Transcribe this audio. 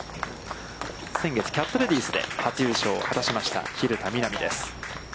先月、キャットレディースで初優勝を果たしました、蛭田みな美です。